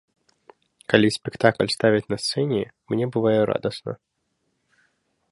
Калі спектакль ставяць на сцэне, мне бывае радасна.